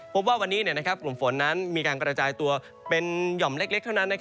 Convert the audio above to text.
พบว่าวันนี้กลุ่มฝนนั้นมีการกระจายตัวเป็นหย่อมเล็กเท่านั้น